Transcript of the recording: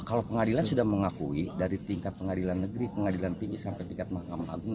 kalau pengadilan sudah mengakui dari tingkat pengadilan negeri pengadilan tinggi sampai tingkat mahkamah agung